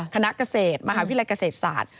คณะเกษตรมหาวิทยาลัยเกษตรศาสตร์